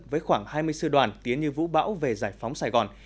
với khoảng hai mươi sư đoàn tiến như vũ bão về giải phóng sài gòn